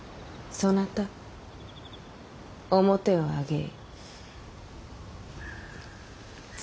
そなた面を上げい。